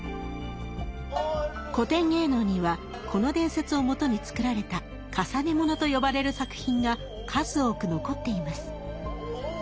古典芸能にはこの伝説をもとに作られた「累物」と呼ばれる作品が数多く残っています。